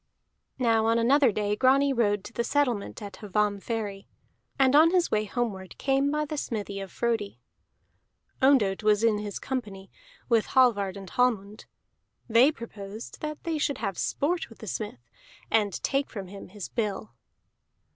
Now on another day Grani rode to the settlement at Hvammferry, and on his way homeward came by the smithy of Frodi. Ondott was in his company, with Hallvard and Hallmund; they proposed that they should have sport with the smith, and take from him his bill.